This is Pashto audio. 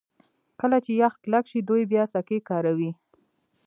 کله چې یخ کلک شي دوی بیا سکي کاروي